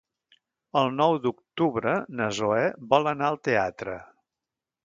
El nou d'octubre na Zoè vol anar al teatre.